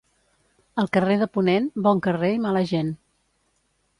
El carrer de Ponent, bon carrer i mala gent.